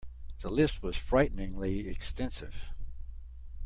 The list was frighteningly extensive.